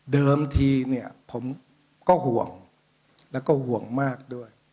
เดิมทีเนี่ยผมก็ห่วงแล้วก็ห่วงมากด้วย